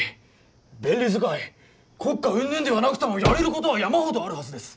便利使い国家うんぬんではなくともやれることは山ほどあるはずです